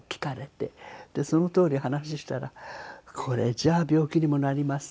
そのとおり話したら「これじゃあ病気にもなります」。